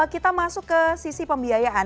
kita masuk ke sisi pembiayaan